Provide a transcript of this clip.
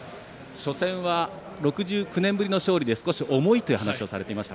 初戦は６９年ぶりの勝利で少し重いという話をされていました。